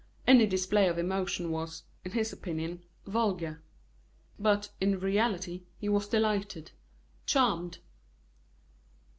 Any display of emotion was, in his opinion, vulgar; but, in reality, he was delighted, charmed.